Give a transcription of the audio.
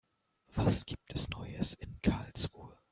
Was gibt es Neues in Karlsruhe?